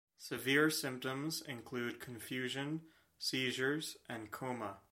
Severe symptoms include confusion, seizures, and coma.